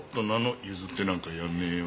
譲ってなんかやんねえよ。